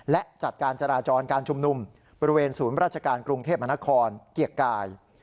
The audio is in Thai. และจัดการจราจรการชุมนุมบริเวณศูนย์ราชการกรุงเทพมนครเกียรติกาย